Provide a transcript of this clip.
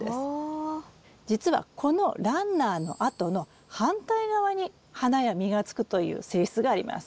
じつはこのランナーの跡の反対側に花や実がつくという性質があります。